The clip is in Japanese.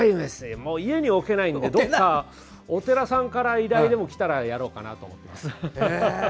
家に置けないので、どこかお寺さんから依頼でも来たらやろうかなと思います。